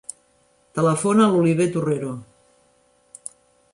Telefona a l'Oliver Torrero.